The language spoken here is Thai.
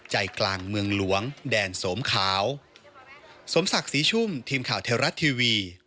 ใจกลางเมืองหลวงแดนสมขาว